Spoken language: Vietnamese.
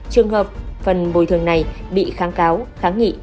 trường hợp phần bồi thường này bị kháng cáo kháng nghị